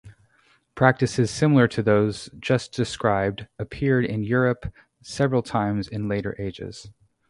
Practices similar to those just described appeared in Europe several times in later ages.